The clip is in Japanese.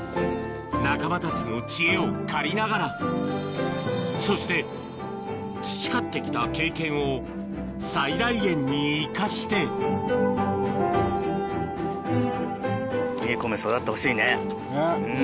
仲間たちの知恵を借りながらそして培ってきた経験を最大限に生かしてねっ。